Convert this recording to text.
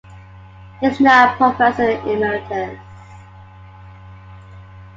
He is now professor emeritus.